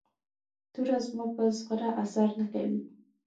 توره زما په زغره اثر نه کوي.